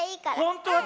ほんとは。